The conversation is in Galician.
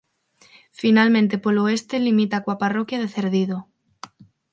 Finalmente polo oeste limita coa parroquia de Cerdido.